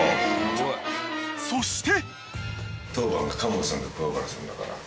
［そして］